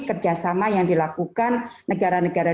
kerjasama yang dilakukan negara negara